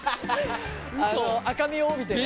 赤みを帯びてね。